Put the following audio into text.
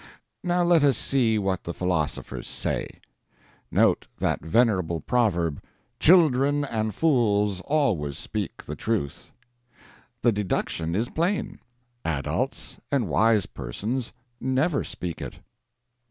Now let us see what the philosophers say. Note that venerable proverb: Children and fools always speak the truth. The deduction is plain adults and wise persons never speak it.